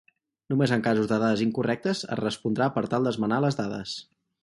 Només en casos de dades incorrectes es respondrà per tal d'esmenar les dades.